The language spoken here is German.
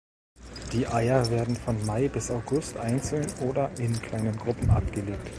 Die Eier werden von Mai bis August einzeln oder in kleinen Gruppen abgelegt.